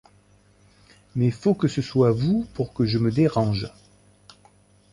Mais faut que ce soit vous pour que je me dérange.